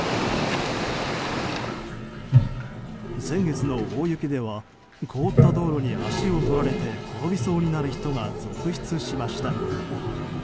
先月の大雪では凍った道路に足を取られて転びそうになる人が続出しました。